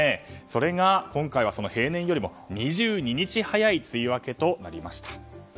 それが今回は平年よりも２２日早い梅雨明けとなりました。